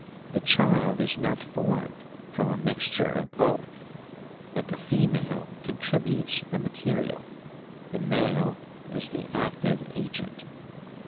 The child is not formed from a mixture of both, but the female con tributes the material, the male is the active agent.